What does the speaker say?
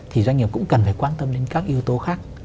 thì doanh nghiệp cũng cần phải quan tâm đến các yếu tố khác